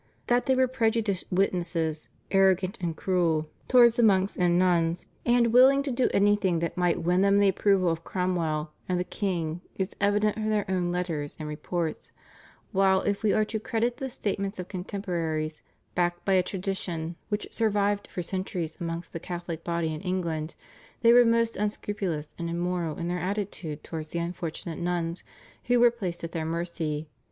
That they were prejudiced witnesses, arrogant and cruel towards the monks and nuns, and willing to do anything that might win them the approval of Cromwell and the king is evident from their own letters and reports, while if we are to credit the statements of contemporaries, backed by a tradition, which survived for centuries amongst the Catholic body in England, they were most unscrupulous and immoral in their attitude towards the unfortunate nuns who were placed at their mercy.